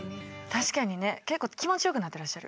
確かにね結構気持ちよくなってらっしゃる。